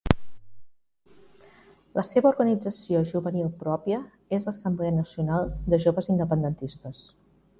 La seva organització juvenil pròpia és l'Assemblea Nacional de Joves Independentistes.